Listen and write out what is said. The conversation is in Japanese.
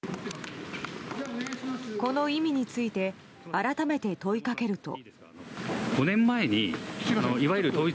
この意味について改めて問いかけると。